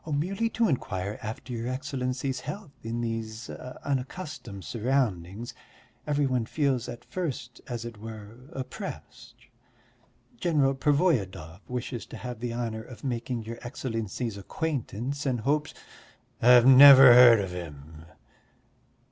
"Merely to inquire after your Excellency's health; in these unaccustomed surroundings every one feels at first, as it were, oppressed.... General Pervoyedov wishes to have the honour of making your Excellency's acquaintance, and hopes...." "I've never heard of him."